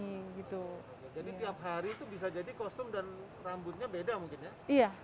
jadi tiap hari itu bisa jadi kostum dan rambutnya beda mungkin ya